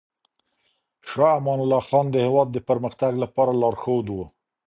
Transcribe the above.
شاه امان الله خان د هېواد د پرمختګ لپاره لارښود و.